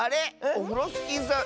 オフロスキーさん